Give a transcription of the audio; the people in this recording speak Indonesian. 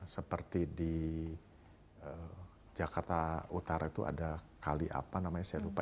seperti di jakarta utara itu ada kali apa namanya saya lupa